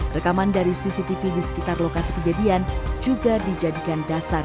rekaman dari cctv di sekitar lokasi kejadian juga dijadikan berita yang sangat menarik